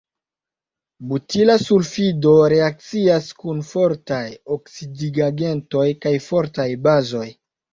Butila sulfido reakcias kun fortaj oksidigagentoj kaj fortaj bazoj.